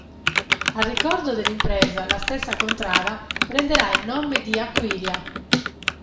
A ricordo dell'impresa la stessa contrada prenderà il nome di Aquilia.